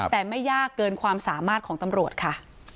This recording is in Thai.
แต่ไม่ยากเกินความสามารถของตำรวจค่ะ